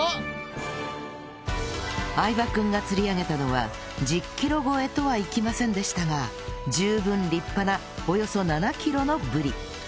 相葉君が釣り上げたのは１０キロ超えとはいきませんでしたが十分立派なおよそ７キロのブリ